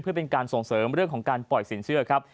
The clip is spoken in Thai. เพื่อเป็นการส่งเสริมเรื่องของการปล่อยสินเชื่อครับ